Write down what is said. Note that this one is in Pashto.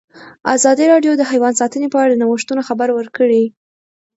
ازادي راډیو د حیوان ساتنه په اړه د نوښتونو خبر ورکړی.